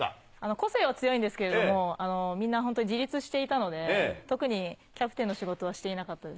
個性は強いんですけれども、みんな本当自立していたので、特にキャプテンの仕事はしていなかったです。